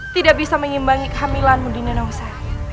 tidak bisa mengimbangi kehamilanmu di nenongsa